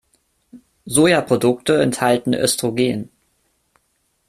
Sojaprodukte enthalten Östrogen.